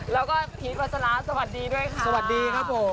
แล้วก็พีชวัชราสวัสดีด้วยค่ะสวัสดีครับผม